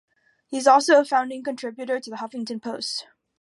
He is also a founding contributor to The Huffington Post.